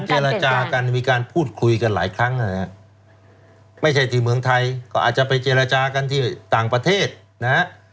เจรจากันมีการพูดคุยกันหลายครั้งนะฮะไม่ใช่ที่เมืองไทยก็อาจจะไปเจรจากันที่ต่างประเทศนะฮะ